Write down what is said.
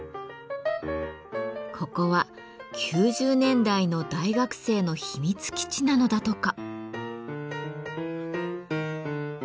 ここは９０年代の大学生の秘密基地なのだとか。